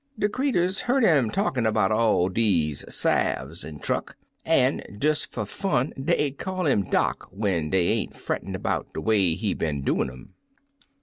De creeturs hear 'im talkin' 'bout all er deze salves an' truck, an', des fer fun dey call 'im dock when dey ain't frettin' 'bout de way he been doin' um.